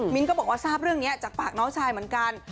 ก็บอกว่าทราบเรื่องนี้จากปากน้องชายเหมือนกัน